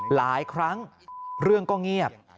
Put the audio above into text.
หลายครั้งเรื่องก็เงียบ